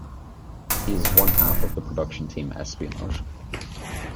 He is one half of the production team Espionage.